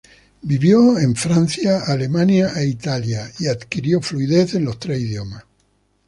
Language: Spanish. Vivió en Francia, Alemania e Italia y adquirió fluidez en los tres idiomas.